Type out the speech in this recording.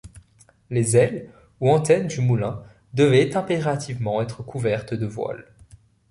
Les ailes, ou antennes du moulin, devaient impérativement être couvertes de voiles.